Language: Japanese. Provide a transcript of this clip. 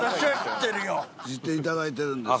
知っていただいてるんですよ。